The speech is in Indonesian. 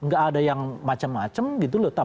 gak ada yang macam macam gitu loh